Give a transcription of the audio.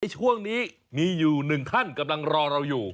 ช่วงนี้มีอยู่หนึ่งท่านกำลังรอเราอยู่